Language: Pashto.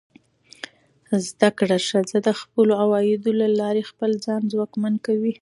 زده کړه ښځه د خپلو عوایدو له لارې خپل ځان ځواکمن کوي.